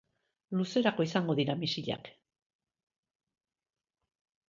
Luzerako izango dira misilak.